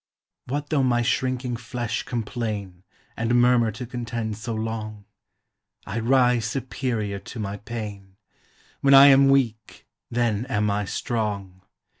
What though my shrinking flesh complain And murmur to contend so long? I rise superior to my pain; When I am weak, then am I strong!